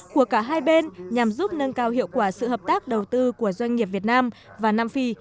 của cả hai bên nhằm giúp nâng cao hiệu quả sự hợp tác đầu tư của doanh nghiệp việt nam và nam phi